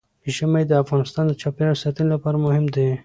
ژمی د افغانستان د چاپیریال ساتنې لپاره مهم دي.